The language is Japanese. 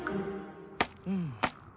うん。